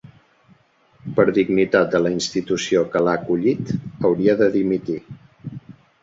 Per dignitat de la institució que l'ha acollit hauria de dimitir.